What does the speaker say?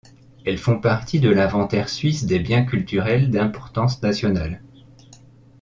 Elles font partie de l'inventaire suisse des biens culturels d'importance nationale.